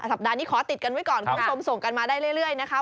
สัปดาห์นี้ขอติดกันไว้ก่อนคุณผู้ชมส่งกันมาได้เรื่อยนะคะ